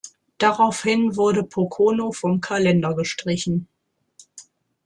Daraufhin wurde Pocono vom Kalender gestrichen.